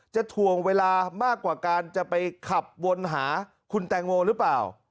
ถ่วงเวลามากกว่าการจะไปขับวนหาคุณแตงโมหรือเปล่า